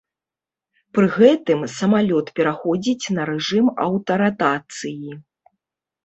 Пры гэтым самалёт пераходзіць на рэжым аўтаратацыі.